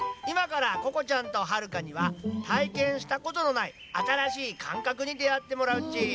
いまからここちゃんとはるかにはたいけんしたことのないあたらしい感覚に出会ってもらうっち。